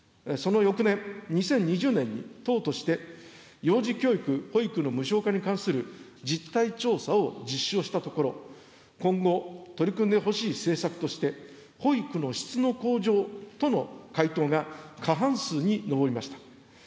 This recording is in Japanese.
その翌年・２０２０年に、党として、幼児教育・保育の無償化に関する実態調査を実施をしたところ、今後、取り組んでほしい政策として、保育の質の向上との回答が過半数に上りました。